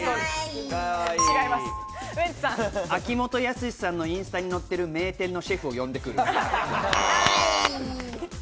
秋元康さんのインスタにのってる名店のシェフを呼んでくる。